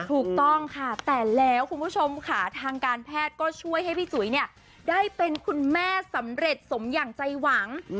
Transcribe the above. ถูกต้องค่ะแต่แล้วคุณผู้ชมค่ะทางการแพทย์ก็ช่วยให้พี่จุ๋ยเนี่ยได้เป็นคุณแม่สำเร็จสมอย่างใจหวัง